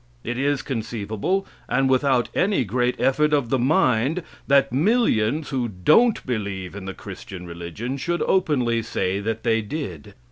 It is conceivable, and without any great effort of the mind, that millions who don't believe in the Christian religion should openly say that they did.